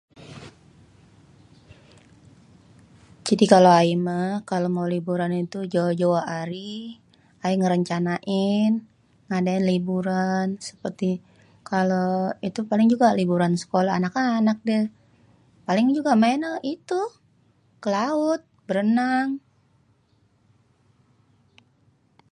Jadi kalo ayémêh kalo mau liburan itu jauh jauh arih ayé ngerencanain ngadain liburan seperti kalo itu paling juga liburan sekolah anak-anak deh paling juga maennyé itu ke laut berenang